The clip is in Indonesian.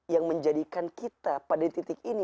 yang menjadikan kita pada titik ini